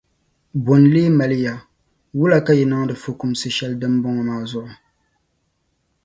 Bo n-leei mali ya, wula ka yi niŋdi fukumsi shɛli dimbɔŋɔ maa zuɣu?